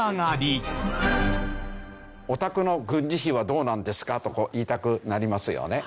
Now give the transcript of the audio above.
「おたくの軍事費はどうなんですか？」と言いたくなりますよね。